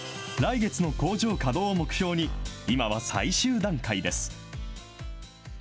来月の工場稼働を目標に、今は最終段階です。